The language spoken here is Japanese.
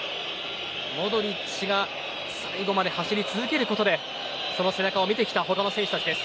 モドリッチが最後まで走り続けることでその背中を見てきた他の選手たちです。